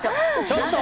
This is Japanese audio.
ちょっと！